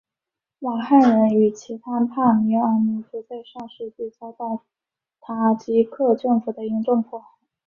瓦罕人与其他帕米尔民族在上世纪遭到塔吉克政府的严重迫害。